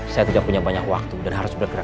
saya tidak punya banyak waktu dan harus bergerak